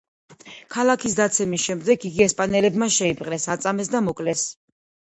ქალაქის დაცემის შემდეგ იგი ესპანელებმა შეიპყრეს, აწამეს და მოკლეს.